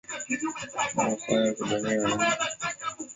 na Wakwaya ni kikabila cha Wajita